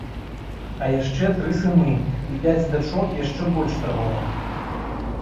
А яшчэ тры сыны і пяць дачок яшчэ больш таго.